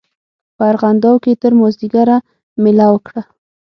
په ارغنداو کې تر مازیګره مېله وکړه.